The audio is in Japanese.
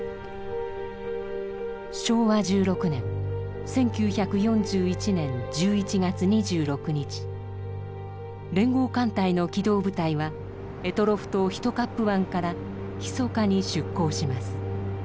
昭和１６年１９４１年１１月２６日連合艦隊の機動部隊は択捉島単冠湾からひそかに出航します。